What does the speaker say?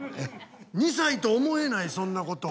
２歳と思えないそんなこと。